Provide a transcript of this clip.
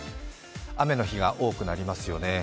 雨の日が多くなりますよね。